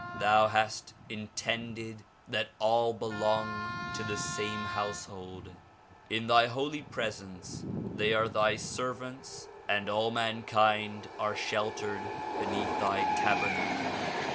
Thou hast intended that all belong to the same household. In thy holy presence they are thy servants and all mankind are sheltered beneath thy tabernacle.